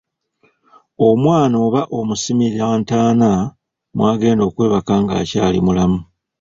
Omwana oba omusimira ntaana mwagenda okwebaka ng'akyali mulamu.